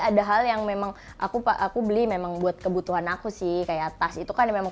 ada hal yang memang aku pak aku aku beli memang buat kebutuhan aku sih kayak tas itu kan memang